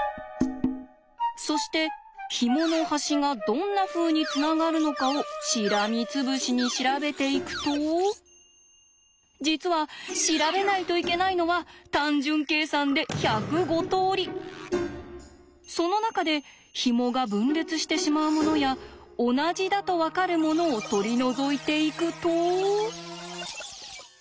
そしてひもの端がどんなふうにつながるのかをしらみつぶしに調べていくと実は調べないといけないのは単純計算でその中でひもが分裂してしまうものや同じだと分かるものを取り除いていくと。